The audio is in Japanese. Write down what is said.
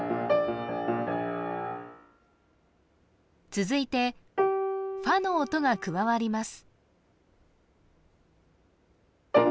続いてファの音が加わります